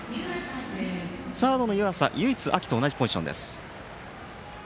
サードの湯浅は唯一秋と同じポジション。